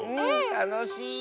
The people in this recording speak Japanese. たのしい！